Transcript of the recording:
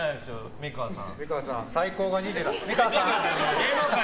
美川さん！